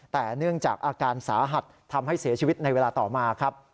แต่เนื่องจากอาการสาหัสทำให้เสียชีวิตในเวลาต่อมาครับ